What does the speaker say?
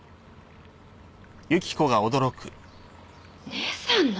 姉さんの！？